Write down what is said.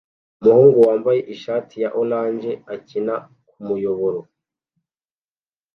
Umuhungu wambaye ishati ya orange akina kumuyoboro